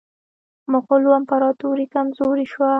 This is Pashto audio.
مغولو امپراطوري کمزورې شوه.